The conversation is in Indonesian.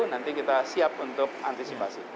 nanti kita siap untuk antisipasi